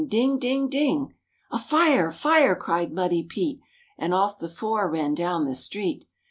ding! ding! ding! "A fire! fire!" cried Muddy Pete, And off the four ran down the street.